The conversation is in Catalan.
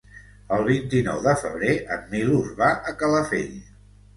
El vint-i-nou de febrer en Milos va a Calafell.